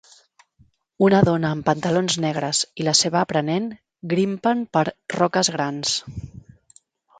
Una dona amb pantalons negres i la seva aprenent, grimpen per roques grans.